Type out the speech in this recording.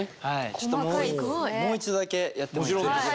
ちょっともう一度だけやってもいいですか？